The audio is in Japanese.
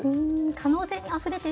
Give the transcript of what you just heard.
可能性にあふれて。